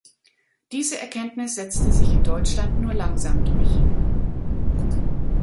Diese Erkenntnis setzte sich in Deutschland nur langsam durch.